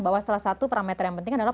bahwa salah satu parameter yang penting adalah